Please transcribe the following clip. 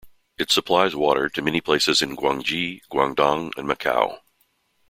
It supplies water to many places in Guangxi, Guangdong and Macau.